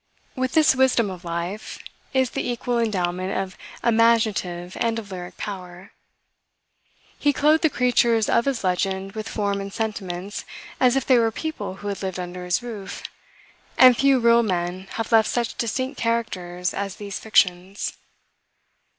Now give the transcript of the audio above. With this wisdom of life, is the equal endowment of imaginative and of lyric power. He clothed the creatures of his legend with form and sentiments, as if they were people who had lived under his roof; and few real men have left such distinct characters as these fictions.